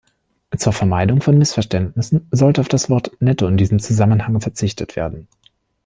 Zur Vermeidung von Missverständnissen sollte auf das Wort "netto" in diesem Zusammenhang verzichtet werden.